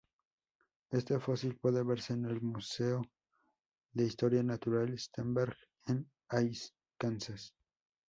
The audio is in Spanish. Este fósil puede verse en el Museo de Historia Natural Sternberg en Hays, Kansas.